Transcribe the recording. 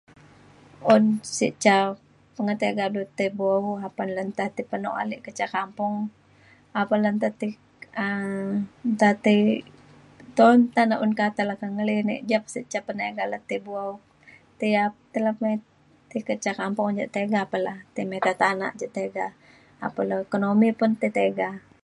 Un sik cak pengetega bobilu tei bo apan lan tei penok alek ca kampung , apan lan ti um , enta tei un tanak keto lata kak , ngelinek ja sik cap tiga , ngeleta ti buan apa, ti tak ca kak kampung yak tiga tuak , tei mita tanak yak tak kampung yak tiga, apan ekonomi pa tiga